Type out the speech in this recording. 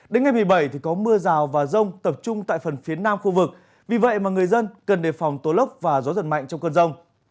đến ngày một mươi bảy thì có mưa rào và rông tập trung tại phần phía nam khu vực vì vậy mà người dân cần đề phòng tố lốc và gió giật mạnh trong cơn rông